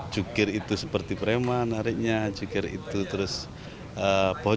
cukir itu seperti brema nariknya cukir itu terus bocor